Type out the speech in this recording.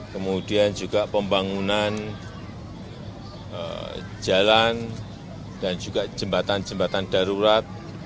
kemudian juga pembangunan jalan dan juga jembatan jembatan darurat